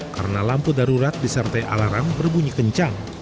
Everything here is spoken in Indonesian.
karena lampu darurat disertai alarm berbunyi kencang